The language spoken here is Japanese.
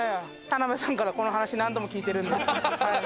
田辺さんからこの話何度も聞いてるんで。